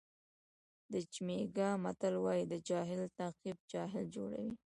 د جمیکا متل وایي د جاهل تعقیب جاهل جوړوي.